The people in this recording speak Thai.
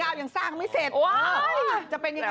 บ้านยังไม่เสร็จหรอ